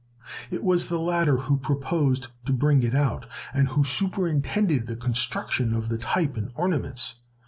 It was the latter who proposed to bring it out, and who superintended the construction of the type and ornaments.